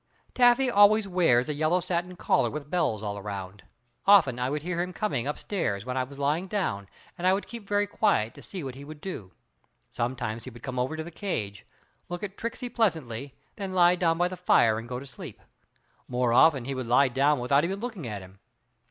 Taffy always wears a yellow satin collar with bells all around. Often I would hear him coming upstairs when I was lying down and I would keep very quiet to see what he would do. Sometimes he would come over to the cage, look at Tricksey pleasantly, then lie down by the fire and go to sleep; more often he would lie down without even looking at him.